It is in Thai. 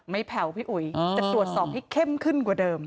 แผ่วพี่อุ๋ยจะตรวจสอบให้เข้มขึ้นกว่าเดิม